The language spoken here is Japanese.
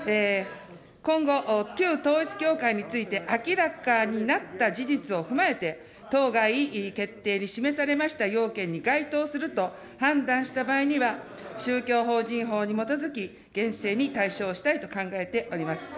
今後、旧統一教会について明らかになった事実を踏まえて、当該決定に示されました要件に該当すると判断した場合には、宗教法人法に基づき、厳正に対処したいと考えております。